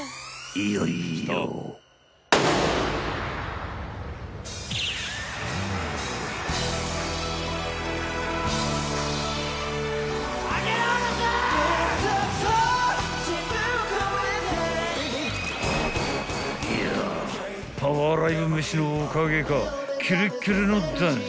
［いやパワーライブ飯のおかげかキレッキレのダンス］